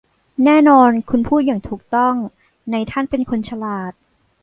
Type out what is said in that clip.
แน่นอนคุณพูดอย่างถูกต้องนายท่านเป็นคนฉลาด